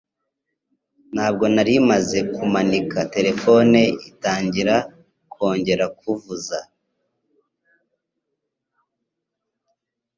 Ntabwo nari maze kumanika telefone itangira kongera kuvuza.